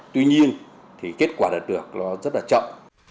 tuy nhiên thì kết quả đạt được nó rất là chậm